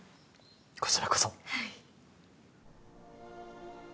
こちらこそ。